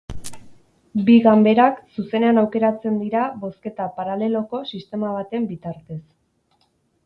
Bi ganberak zuzenean aukeratzen dira bozketa paraleloko sistema baten bitartez.